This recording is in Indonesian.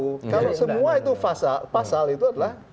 kalau semua itu pasal itu adalah